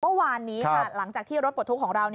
เมื่อวานนี้หลังจากที่รถปลอดภูมิของเรา